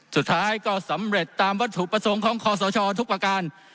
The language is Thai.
สุดท้ายก็สำเร็จตามวัตถุประสงค์ของคอสชทุกประการ